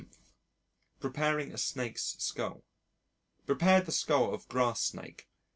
Preparing a Snake's Skull Prepared the skull of grass snake.